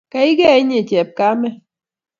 Keikei inye chepkamet